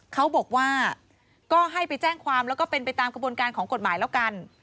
เขาบอกว่าก็ให้ไปแจ้งความแล้วก็เป็นไปตามกระบวนการของกฎหมายแล้วกัน